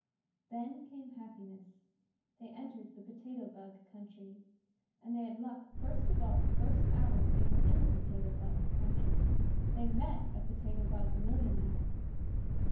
Then came happiness. They entered the Potato Bug Country. And they had luck first of all the first hour they were in the Potato Bug Country. They met a Potato Bug millionaire.